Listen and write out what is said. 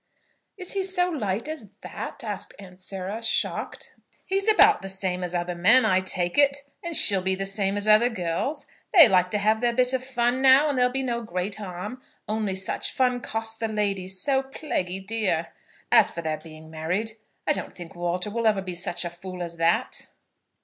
"Is he so light as that?" asked Aunt Sarah, shocked. "He's about the same as other men, I take it; and she'll be the same as other girls. They like to have their bit of fun now, and there'd be no great harm, only such fun costs the lady so plaguy dear. As for their being married, I don't think Walter will ever be such a fool as that."